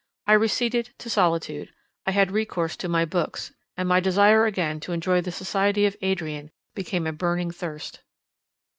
I receded to solitude; I had recourse to my books, and my desire again to enjoy the society of Adrian became a burning thirst.